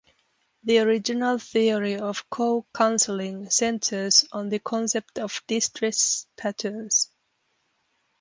The original theory of co-counselling centres on the concept of distress patterns.